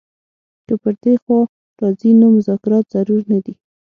که پر دې خوا راځي نو مذاکرات ضرور نه دي.